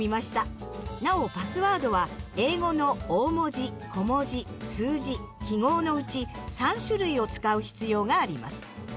なおパスワードは英語の大文字小文字数字記号のうち３種類を使う必要があります。